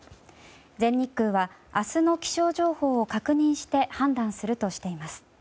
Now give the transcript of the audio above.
全日空は明日の気象情報を確認して判断するとしています。